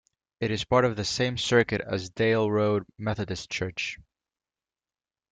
It is part of the same circuit as Dale Road Methodist Church.